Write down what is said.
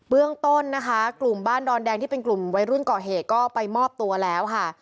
เรื่องต้นนะคะกลุ่มบ้านดอนแดงที่เป็นกลุ่มวัยรุ่นก่อเหตุก็ไปมอบตัวแล้วค่ะ